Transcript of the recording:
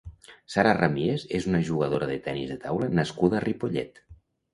Sara Ramírez és una jugadora de tennis de taula nascuda a Ripollet.